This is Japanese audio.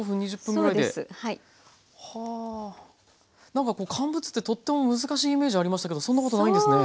何かこう乾物ってとっても難しいイメージありましたけどそんなことないんですね。